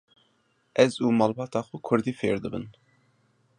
Ez û malbata xwe kurdî fêr dibin.